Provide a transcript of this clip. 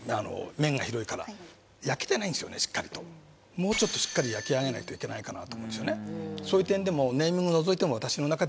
もうちょっとしっかり焼き上げないといけないかなと思うんですよね